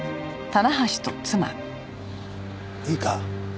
いいか。